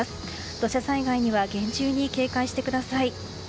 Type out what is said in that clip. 土砂災害には厳重に警戒してください。